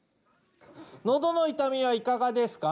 のどの痛みはいかがですか？